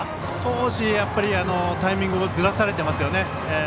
少しタイミングをずらされていますよね。